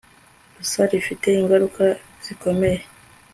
gusa rifite ingaruka zikomeye